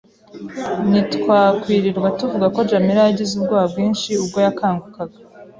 Ntitwakwirirwa tuvuga ko Djamila yagize ubwoba bwinshi ubwo yakangukaga.